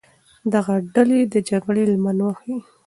دغه ډلې د جګړې لمن وهي.